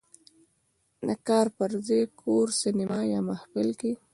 "د کار په ځای، کور، سینما یا محفل" کې